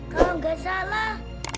kalau nggak salah